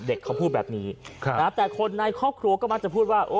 เขาพูดแบบนี้แต่คนในครอบครัวก็มักจะพูดว่าโอ้